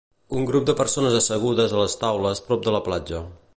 Un grup de persones assegudes a les taules prop de la platja.